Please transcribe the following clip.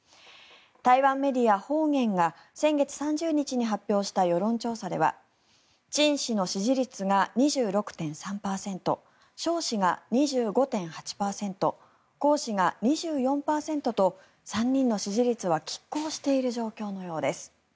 台湾メディア、放言が先月３０日に発表した世論調査ではチン氏の支持率が２６．３％ショウ氏が２５．８％コウ氏が２４％と３人の支持率はきっ抗している状況のようです。